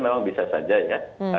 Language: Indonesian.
memang bisa saja ya